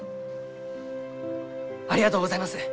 ありがとうございます！